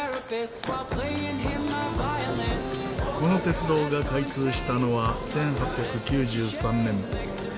この鉄道が開通したのは１８９３年。